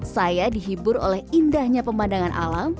saya dihibur oleh indahnya pemandangan alam